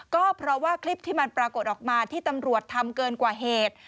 ก็เพราะว่าคลิปที่มันปรากฏออกมาที่ตำรวจทำเกินกว่าเหตุ